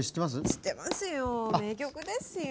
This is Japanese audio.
知ってますよ名曲ですよ。